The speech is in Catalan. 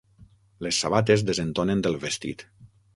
Les sabates desentonen del vestit.